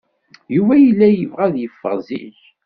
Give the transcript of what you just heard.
Yuba yella yebɣa ad yeffeɣ zik.